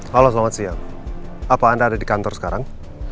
halo selamat siang apa anda ada di kantor sekarang